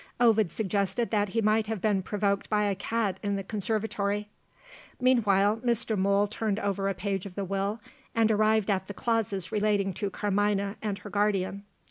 Ovid suggested that he might have been provoked by a cat in the conservatory. Meanwhile, Mr. Mool turned over a page of the Will, and arrived at the clauses relating to Carmina and her guardian.